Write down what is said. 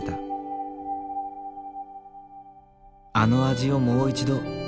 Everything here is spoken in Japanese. あの味をもう一度。